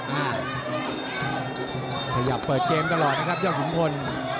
ขยับเปิดเกมตลอดนะครับยอดขุนพล